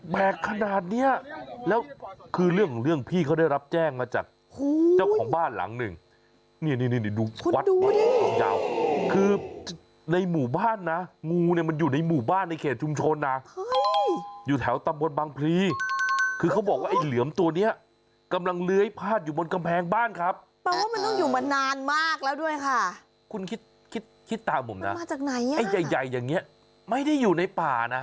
แบกขนาดนี้แล้วคือเรื่องของเรื่องพี่เขาได้รับแจ้งมาจากเจ้าของบ้านหลังนึงนี่ดูกวัดมากของเจ้าคือในหมู่บ้านนะงูมันอยู่ในหมู่บ้านในเขตชุมชนนะอยู่แถวตำบลบังพลีคือเขาบอกว่าไอ้เหลือมตัวเนี้ยกำลังเลื้อยพาดอยู่บนกำแพงบ้านครับมันต้องอยู่มานานมากแล้วด้วยค่ะคุณคิดคิดคิดต